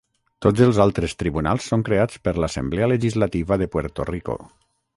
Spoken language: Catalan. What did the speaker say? Tots els altres tribunals són creats per l'Assemblea Legislativa de Puerto Rico.